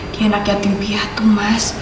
dia anak yatim biatu mas